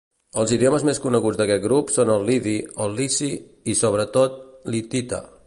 Els idiomes més coneguts d'aquest grup són el lidi, el lici, i, sobretot l'hitita.